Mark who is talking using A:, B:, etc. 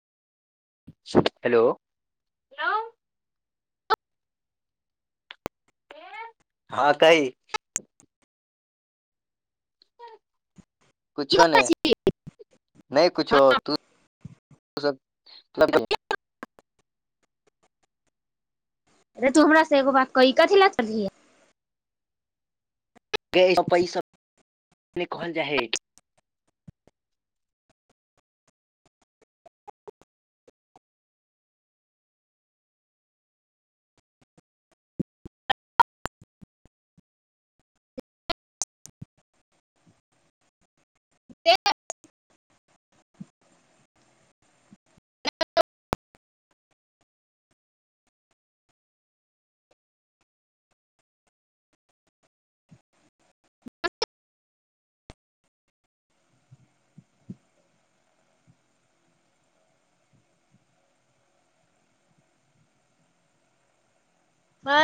A: hello हँ कहि
B: की
A: कुछो ने
B: करै छी
A: नहि कुछो तु सब मतलब
B: नहि तू हमरा से एगो बात कई कथी ल करलिहै
A: ग पै सब कहल जाइ हय